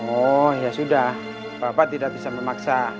oh ya sudah bapak tidak bisa memaksa